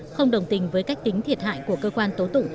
không đồng tình với cách tính thiệt hại của cơ quan tố tụ